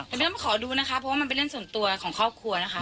แต่ไม่ต้องขอดูนะคะเพราะว่ามันเป็นเรื่องส่วนตัวของครอบครัวนะคะ